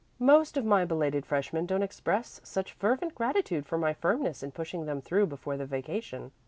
"Most of my belated freshmen don't express such fervent gratitude for my firmness in pushing them through before the vacation.